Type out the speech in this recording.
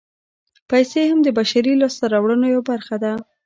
پیسې هم د بشري لاسته راوړنو یوه برخه ده